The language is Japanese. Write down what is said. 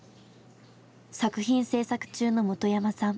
作品制作中の本山さん。